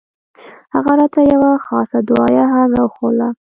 هغه راته يوه خاصه دعايه هم راوښووله.